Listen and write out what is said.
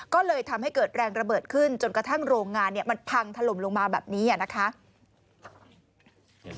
ก็เลยทำให้เกิดแรงระเบิดขึ้นจนกระทั่งโรงงานมันพังถล่มลงมาแบบนี้นะคะ